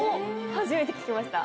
初めて聞きました。